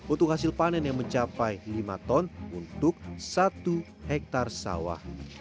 untuk hasil panen yang mencapai lima ton untuk satu hektare sawah